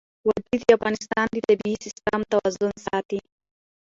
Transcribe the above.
وادي د افغانستان د طبعي سیسټم توازن ساتي.